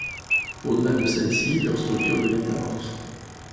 Au-delà de celle-ci, leur structure devient amorphe.